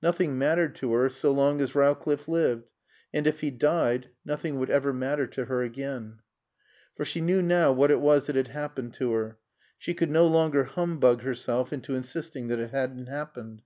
Nothing mattered to her so long as Rowcliffe lived. And if he died nothing would ever matter to her again. For she knew now what it was that had happened to her. She could no longer humbug herself into insisting that it hadn't happened.